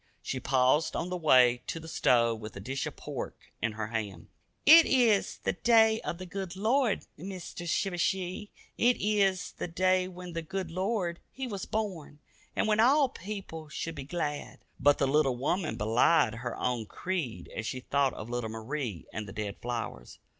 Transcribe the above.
She paused on the way to the stove with a dish of pork in her hand. "It eez the day of the good Lord, Meester Shivershee. It eez the day when the good Lord He was born, and when all people should be glad." But the little woman belied her own creed as she thought of little Marie and the dead flowers.